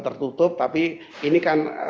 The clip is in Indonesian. tertutup tapi ini kan